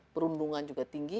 perundungan juga tinggi